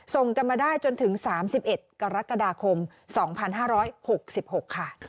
ส่งกันมาได้จนถึง๓๑กรกฎาคม๒๕๖๖ค่ะ